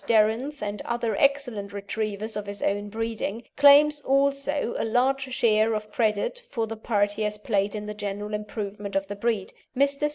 Darenth and other excellent Retrievers of his own breeding, claims also a large share of credit for the part he has played in the general improvement of the breed. Mr.